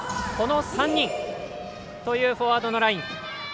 この３人というフォワードのライン。